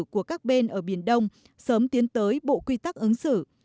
của các bên ở biển đông sớm tiến tới bộ quy tắc ứng xử